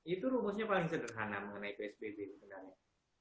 itu rumusnya paling sederhana mengenai psbb sebenarnya